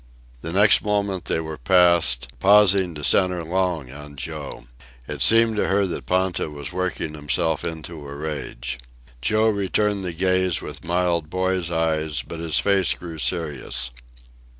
The next moment they were past, pausing to centre long on Joe. It seemed to her that Ponta was working himself into a rage. Joe returned the gaze with mild boy's eyes, but his face grew serious.